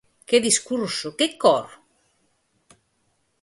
Que discurso, que cor?